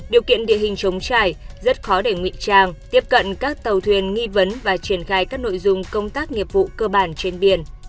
điều kiện địa hình chống trải rất khó để ngụy trang tiếp cận các tàu thuyền nghi vấn và triển khai các nội dung công tác nghiệp vụ cơ bản trên biển